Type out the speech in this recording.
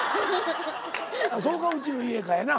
それかうちの家かやな。